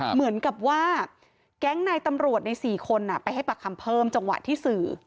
เหมือนกับว่าแก๊งนายตำรวจใน๔คนไปให้ปากคำเพิ่มจังหวะที่สื่อ